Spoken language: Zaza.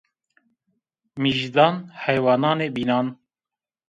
Mîjdan heywananê bînan